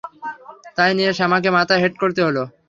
তাই নিয়ে শ্যামাকে মাথা হেঁট করতে হল।